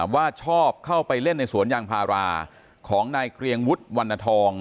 ว่าชอบเข้าไปเล่นในสวนยางพาราของนายเกรียงวุฒิวันนทอง